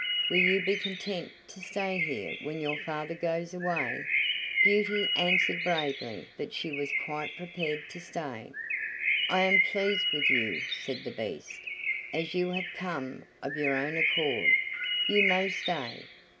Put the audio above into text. "Will you be content to stay here when your father goes away?" Beauty answered bravely that she was quite prepared to stay. "I am pleased with you," said the Beast. "As you have come of your own accord, you may stay.